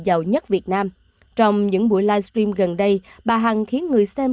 giàu nhất việt nam trong những buổi livestream gần đây bà hằng khiến người xem